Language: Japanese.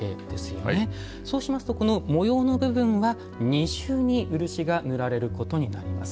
そうしますとこの模様の部分は二重に漆が塗られることになります。